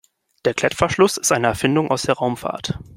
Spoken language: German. Der Klettverschluss ist eine Erfindung aus der Raumfahrt.